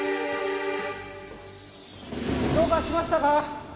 どうかしましたか？